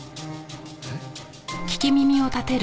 えっ？